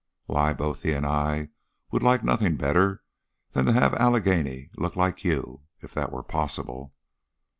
Why, both he and I would like nothing better than to have Allegheny look like you, if that were possible."